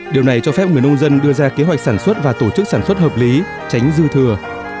điều này cho phép người nông dân đưa ra kế hoạch sản xuất và tổ chức sản xuất hợp lý tránh dư thừa